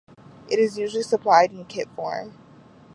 It is usually supplied in kit form.